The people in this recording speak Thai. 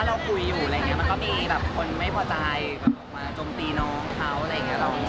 เราคุยอยู่มันก็มีคนไม่พอจ่าย